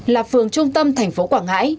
là phường trung tâm thành phố quảng ngãi